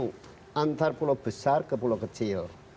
itu antar pulau besar ke pulau kecil